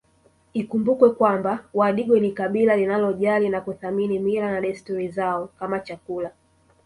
Ikumbukwe kwamba wadigo ni kabila linalojali na kuthamini mila na desturi zao kama chakula